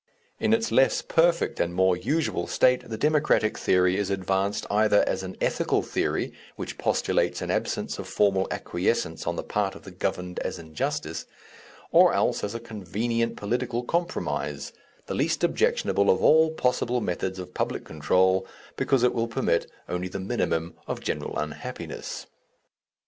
In its less perfect and more usual state the Democratic theory is advanced either as an ethical theory which postulates an absence of formal acquiescence on the part of the governed as injustice, or else as a convenient political compromise, the least objectionable of all possible methods of public control, because it will permit only the minimum of general unhappiness....